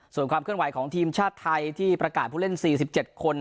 ส่วนความเคลื่อนไหวของทีมชาติไทยที่ประกาศผู้เล่น๔๗คน